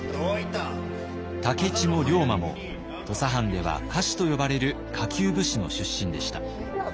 武市も龍馬も土佐藩では下士と呼ばれる下級武士の出身でした。